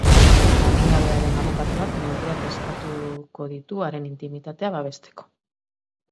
Adingabearen abokatuak neurriak eskatuko ditu haren intimitatea babesteko.